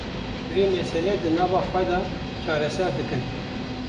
vê meselê di nava xwe de çareser dikin